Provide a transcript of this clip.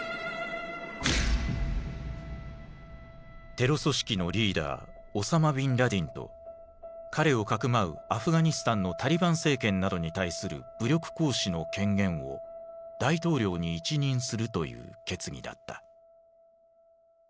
テロ組織のリーダーオサマ・ビンラディンと彼をかくまうアフガニスタンのタリバン政権などに対する武力行使の権限を大統領に一任するという決議だった。